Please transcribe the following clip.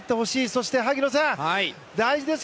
そして、萩野さん大事です